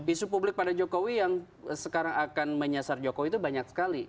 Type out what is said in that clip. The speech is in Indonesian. isu publik pada jokowi yang sekarang akan menyasar jokowi itu banyak sekali